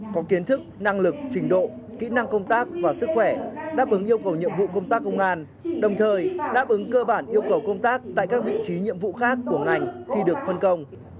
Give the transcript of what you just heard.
có kiến thức năng lực trình độ kỹ năng công tác và sức khỏe đáp ứng yêu cầu nhiệm vụ công tác công an đồng thời đáp ứng cơ bản yêu cầu công tác tại các vị trí nhiệm vụ khác của ngành khi được phân công